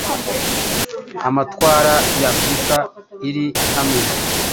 amatwara ya Afurika iri hamwe.